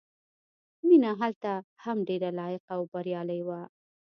مینه هلته هم ډېره لایقه او بریالۍ وه